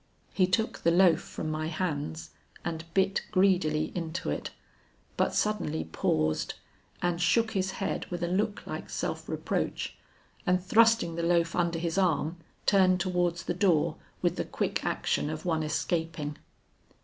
He took the loaf from my hands and bit greedily into it but suddenly paused, and shook his head with a look like self reproach, and thrusting the loaf under his arm, turned towards the door with the quick action of one escaping.